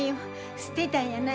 捨てたんやない。